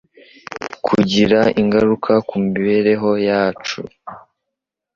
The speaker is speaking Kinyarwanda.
kugira ingaruka ku mibereho yacu